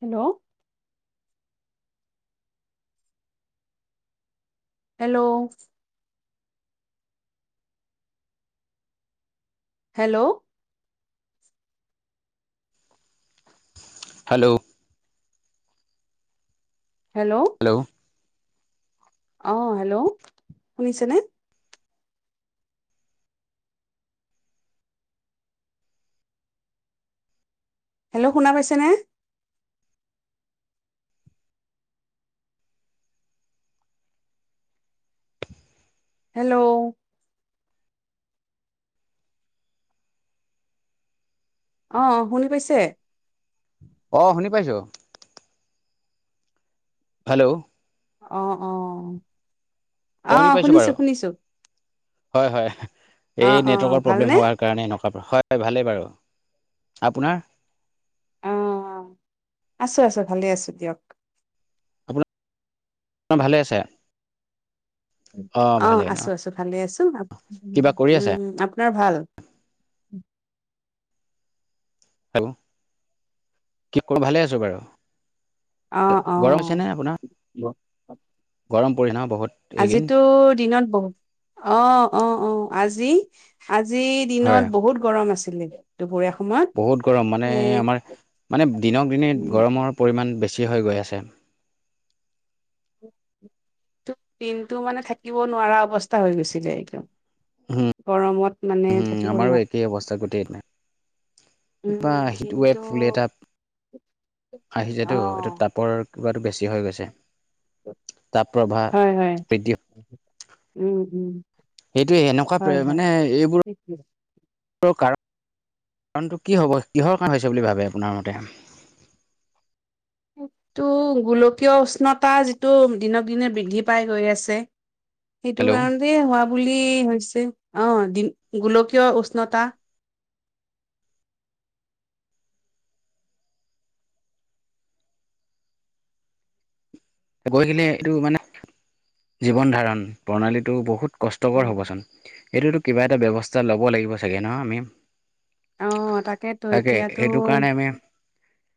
Hello hello hello hello hello আহ hello শুনিছেনে hello শুনা পাইছেনে হেল্ল' অ শুনি পাইছে। অ শুনি পাইছো হেল্ল'। অ অ শুনি আহ পাইছোঁ শুনিছো বাৰু শুনিছো হয় হয় অ এই অ নেটৱৰ্কৰ ভালনে প্ৰব্লেম হোৱাৰ কাৰণে হয় ভালেই বাৰু আপোনাৰ অ আছো আছো ভালে আছোঁ দিয়ক আপোনাৰ ভালে আছে অ ভালেই ন আছো আছো ভালে আছো কিবা কৰি আছে উম আপোনাৰ ভাল উম। হেল্ল' কি ক ভালে আছো বাৰু আহ অ গৰম হৈছে নে আপোনাৰ গৰম পৰিণাম আজিতো দিনত বহুত অ অ অ আজি আজিৰ হয় দিনত বহুত গৰম আছিলে দুপৰীয়া সময়ত বহুত গৰম মানে এ আমাৰ মানে দিনক দিনে গৰমৰ পৰিমাণ বেছি বেছি হৈ গৈ আছে। দিনটো মানে থাকিব নোৱাৰা অৱস্থা হৈ গৈছিলে একদম হম গৰমত মানে হম থাকিব আমাৰো নোৱাৰা একেই অৱস্থা গোটেই নাই কিবা উম হিট কিন্তু ৱেভ বুলি এটা আহি অ যায়তো এইটো টাপৰ কিবাটো বেছি হৈ গৈছে তাপ প্ৰভাৱ হয় হয় বৃদ্ধি উম উম সেইটোৱে সেনেকুৱা হয় হয় মানে সেইটোৱে। এইবোৰ কাৰ কাৰণটো কি হ'ব কিহৰ কাৰণ হৈছে বুলি ভাবে আপোনাৰ মতে সেইটো গোলকীয় উষ্ণতা যিটো দিনক দিনে বৃদ্ধি পাই গৈ আছে। সেইটো হেল্ল' কাৰণতে হোৱা বুলি হৈছে অ দ গোলকীয় উষ্ণতা [inaudible] গৈকিনে এইটো মানে জীৱন ধাৰণ প্ৰণালীটো বহুত কষ্টকৰ হ'বচোন এইটোতো কিবা এটা ব্যয়ৱস্থা লব লাগিব চাগে ন আমি অ তাকেতো তাকে এতিয়াতো এইটো কাৰণে আমি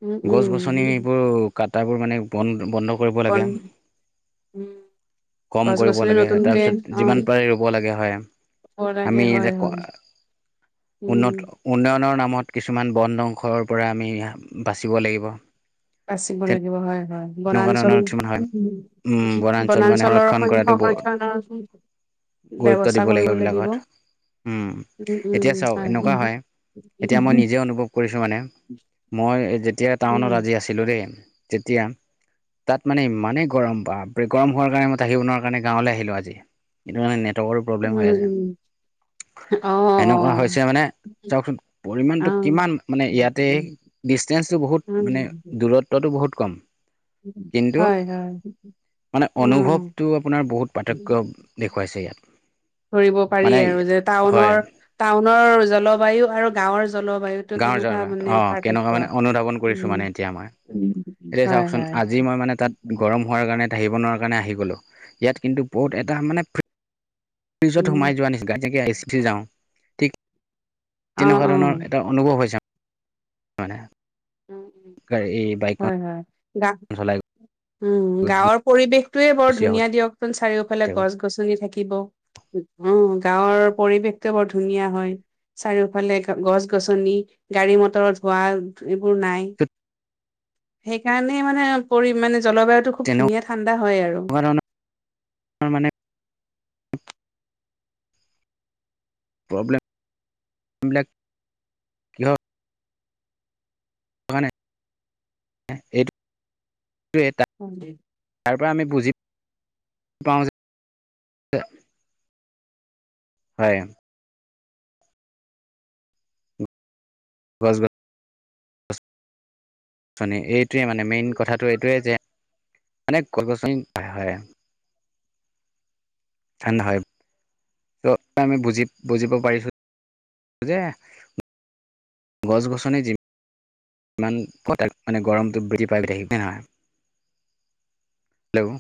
উম গছ গছনি উম এইবোৰ কাট টাবোৰ মানে বন বন্ধ কৰিব বন লাগে। উম কম গছ কৰিব গছনি লাগে নতুনকে তাৰপিছত অ যিমান পাৰে ৰুব লাগে হয় ৰুব লাগে আমি হয় এতি ক হয় উম উন্নত উন্নয়নৰ নামত। কিছুমান বন ব্বংশৰ পৰা আমি বাচিব লাগিব বাচিব লাগিব হয় হয় তেনেকুৱা বনাঞ্চল ধৰণৰ কিছুমান হয় উম, বনাঞ্চল মানে বনাঞ্চলৰ সংৰক্ষণ কৰাটো সংৰক্ষণৰ গুৰুত্ব ব্যৱস্থা দিব কৰিব লাগিব এইবিলাকত উম এতিয়া উম চাওক হয় এনেকুৱা এতিয়া মই নিজে অনুভৱ কৰিছোঁ মানে মই যেতিয়া উম টাউনত উম আজি আছিলোঁ দেই। তেতিয়া তাত মানে ইমানেই গৰম বাপ ৰে গৰম হোৱাৰ কাৰণে মই থাকিব নোৱৰা কাৰণে গাঁৱলৈ আহিলো আজি সেটো কাৰানে নেটৱৰ্কৰো প্ৰব্লেম হৈ আছে উম অ অ এনেকুৱা হৈছে মানে। চাওকচোন অ পৰিমাণটো কিমান মানে ইয়াতে ডিচষ্টেঞ্চটো বহুত মানে উম দূৰত্বত। টো বহুত কম কিন্তু হয় হয় মানে উম অনুভৱটো আপোনাৰ বহুত পাৰ্থক্য দেখুৱাইছে ইয়াত। ধৰিব পাৰি মানে আৰু যে, হয় টাউনৰ টাউনৰ জলবায়ু আৰু গাঁৱৰ জ গাঁৱৰ য অ কেনেকুৱা মানে অনুধাৱন কৰিছো উম মানে এতিয়া মই। এতিয়া হয় চাওকচোন হয় আজি মই মানে তাত গৰম হোৱাৰ কাৰণে থাকিব নোৱাৰা কাৰণে আহি গলো ইয়াত কিন্তু বহুত এটা মানে ফ্ৰিজত উম সোমাই যোৱা নিচিতিকে এ [inaudible] চি পি যাওঁ ঠিক অ তেনেকুৱা ধৰণৰ এটা অনুভৱ হৈছে মানে অ গা এই হয় হয় গা বাইকখন চলাই। উম গাঁৱৰ পৰিবেশটোয়ে বৰ গুচি আহোতে ধুনীয়া দিয়কোন চাৰিওফালে গছ গছনি থাকে। থিব অ গাঁৱৰ পৰিৱেশটো বৰ ধুনীয়া হয়। চাৰিওফালে গছ গছনি গাড়ী মটৰত হোৱা এইবোৰ নাই। সেইকাৰণে মানে পৰি মানে জলবায়ুটো খুব তেনেকুৱা ধুনীয়া ঠাণ্ডা হয় আৰু ধৰণৰ মানে প্ৰবলেম বিলক কিহৰ? টোকানে এইটো তোৱে টা আৰু তাৰ পৰা আমি বুজি পাওঁ হয়। গছ গ এইটোৱে মানে মেইন কথাটো এইটোৱে যে মানে কলগছনি হয়। ঠাণ্ডা হয়। ত আমি বুজি বুজিব পাৰিছো যে গছ -গছনি যিম ইমান প মানে গৰমটো বৃদ্ধি পাই থাকিব নহয়। হেল্ল'!